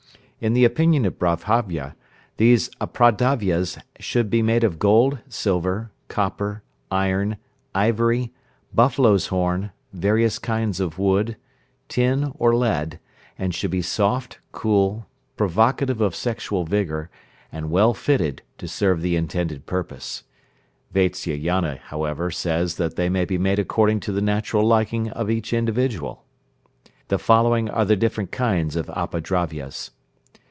In the opinion of Babhravya, these Apadravyas should be made of gold, silver, copper, iron, ivory, buffalo's horn, various kinds of wood, tin or lead, and should be soft, cool, provocative of sexual vigour, and well fitted to serve the intended purpose. Vatsyayana, however, says that they may be made according to the natural liking of each individual. The following are the different kinds of Apadravyas.